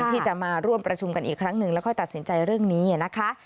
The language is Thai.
ที่จะมาร่วมประชุมกันอีกครั้งหนึ่งแล้วค่อยตัดสินใจเรื่องนี้นะคะ